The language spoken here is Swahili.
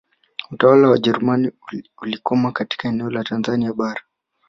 Utawala wa Wajerumani ulikoma katika eneo la Tanzania Bara